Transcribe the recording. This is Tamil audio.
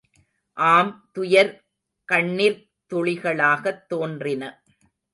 ஆம் துயர் கண்ணிர்த் துளிகளாகத் தோன்றின.